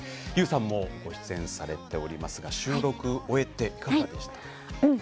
ＹＯＵさんもご出演されておりますが収録終えて、いかがでした？